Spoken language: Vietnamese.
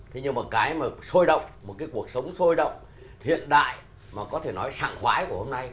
thế nhưng mà cái mà sôi động một cái cuộc sống sôi động hiện đại mà có thể nói sẵn khoái của hôm nay